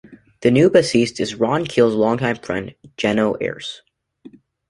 The new bassist is Ron Keel's longtime friend, Geno Arce.